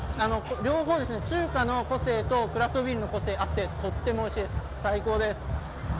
両方、中華の個性とクラフトビールの個性が合ってとってもおいしいです。